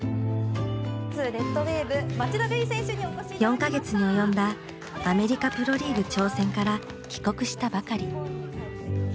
４か月に及んだアメリカ・プロリーグ挑戦から帰国したばかり。